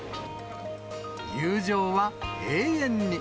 友情は永遠に。